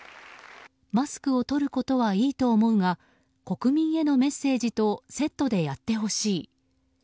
マスクをとることはいいと思うが国民へのメッセージとセットでやってほしい。